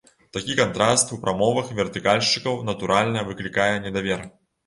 Такі кантраст у прамовах вертыкальшчыкаў, натуральна, выклікае недавер.